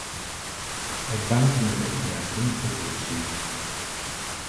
Едвам си намерих място на първия чин.